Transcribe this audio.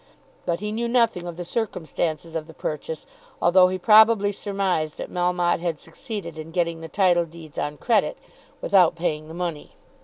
But he knew nothing of the circumstances of the purchase, although he probably surmised that Melmotte had succeeded in getting the title deeds on credit, without paying the money.